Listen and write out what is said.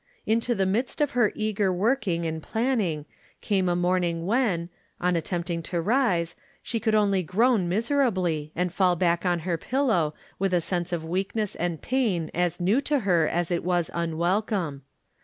Into the midst of her eager working and planning came a morning when, on attempting to rise, she could only groan miser ably and fall back on her pillow, with a sense of weakness and pain as new to her as it was un welcome.